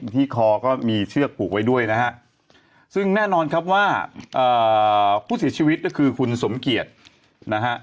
ที่คอก็มีเชือกผูกไว้ด้วยนะฮะซึ่งแน่นอนครับว่าผู้เสียชีวิตก็คือคุณสมเกียจนะฮะ